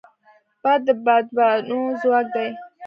باد د بادبانو ځواک دی